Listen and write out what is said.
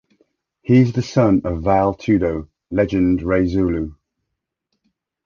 He is the son of Vale Tudo legend Rei Zulu.